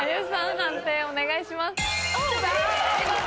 判定お願いします。